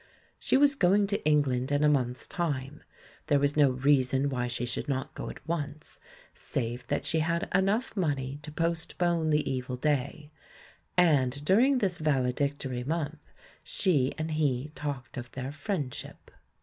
She was going to England in a month's time — there was no reason why she should not go at once, save that she had enough money to postpone the evil day — and during this valedictory month, she and he talked of their "friendship."